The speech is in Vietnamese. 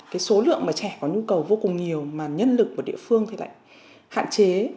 cái số lượng mà trẻ có nhu cầu vô cùng nhiều mà nhân lực của địa phương thì lại hạn chế